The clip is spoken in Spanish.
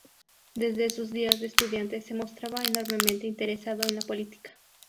Desde sus días de estudiante se mostraba enormemente interesado en la política.